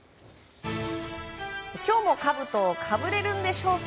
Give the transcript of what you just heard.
今日も、かぶとをかぶれるんでしょうか。